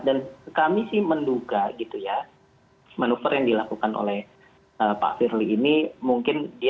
dan kami sih menduga gitu ya manuver yang dilakukan oleh pak firly ini mungkin dia